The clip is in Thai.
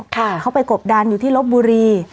เขาไปกบดันอยู่ที่ลบบุรี